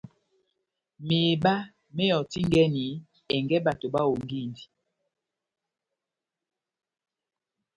Meheba mewɔtingɛni ɛngɛ bato bahongindi.